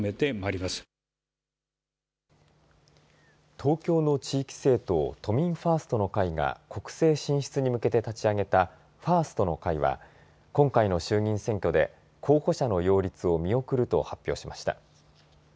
東京の地域政党都民ファーストの会が国政進出に向けて立ち上げたファーストの会は今回の衆議院選挙で候補者の擁立を見送ると発表しました。